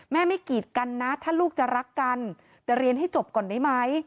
แม่ไม่กีดกันนะถ้าลูกจะรักกันแต่เรียนให้จบก่อนได้ไหม